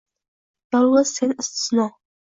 Yolgʼiz sen istisno